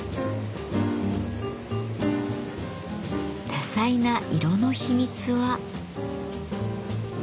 多彩な色の秘密は。